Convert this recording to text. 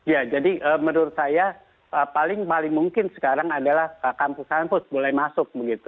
ya jadi menurut saya paling paling mungkin sekarang adalah kampus kampus boleh masuk